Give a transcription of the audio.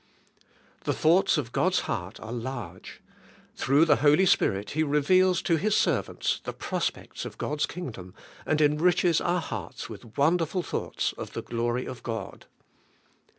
The thoughts of God's heart are large; through the Holy Spirit He reveals to His servants the prospects of God's kingdom and enriches our hearts with wonderful thoughts of the glory of God.